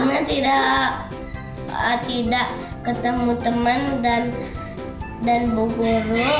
karena tidak ketemu teman dan buku ruang